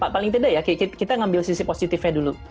paling tidak ya kita ngambil sisi positifnya dulu